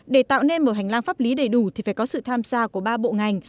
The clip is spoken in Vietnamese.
để tạo nên một hành lang pháp lý đầy đủ thì phải có sự tham gia của ba bộ ngành